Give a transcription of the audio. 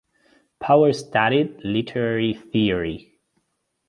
Powers studied literary theory.